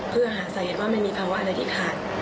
เพื่อหาสาเหตุว่ามันมีภาวะอะไรที่ขาด